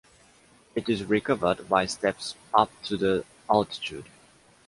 It is recovered by steppes up to the altitude.